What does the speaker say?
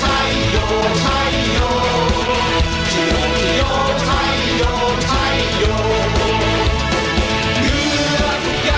ไทยไทยเหละไทยเหละไทยเหละ